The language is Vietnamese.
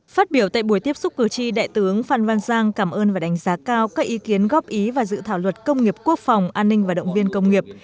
phát biểu tại buổi tiếp xúc cử tri đại tướng phan văn giang cảm ơn và đánh giá cao các ý kiến góp ý và dự thảo luật công nghiệp quốc phòng an ninh và động viên công nghiệp